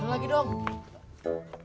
kamu yang bawa apaan